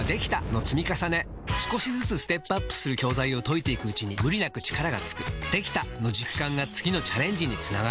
少しずつステップアップする教材を解いていくうちに無理なく力がつく「できた！」の実感が次のチャレンジにつながるよし！